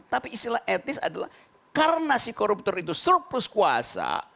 tapi istilah etis adalah karena si koruptor itu surplus kuasa